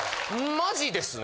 マジですね。